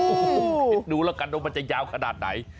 โอ้โหคิดดูแล้วกันว่ามันจะยาวขนาดไหน